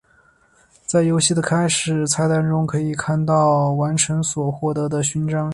在游戏的开始菜单中可以看到完成所获得的勋章。